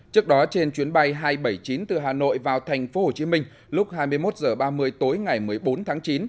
trước đó trên chuyến bay hai trăm bảy mươi chín từ hà nội vào tp hcm lúc hai mươi một h ba mươi tối ngày một mươi bốn tháng chín